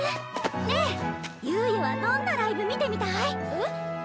ねえゆうゆはどんなライブ見てみたい？え？